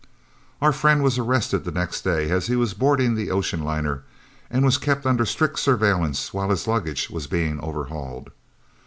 Our friend was arrested the next day as he was boarding the ocean liner, and was kept under strict surveillance while his luggage was being overhauled.